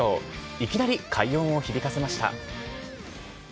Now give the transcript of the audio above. いきなり快音を響かせました。